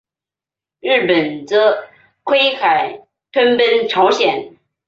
日本则觊觎吞并朝鲜。